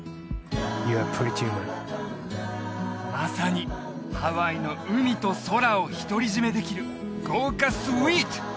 まさにハワイの海と空を独り占めできる豪華スイート！